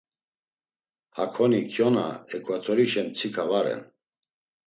Hakoni kyona eǩvatorişen mtsika va ren.